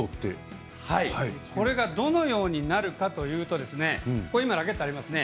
これがどのようになるかというと今、ラケットありますね。